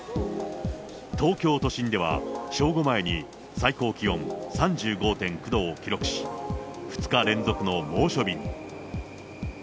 東京都心では、正午前に最高気温３５．９度を記録し、２日連続の猛暑日に。